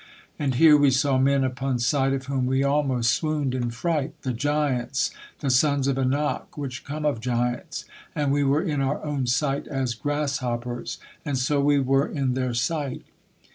And here we saw men upon sight of whom we almost swooned in fright, the giants, the sons of Anak, which come of giants: and we were in our own sight as grasshoppers, and so we were in their sight."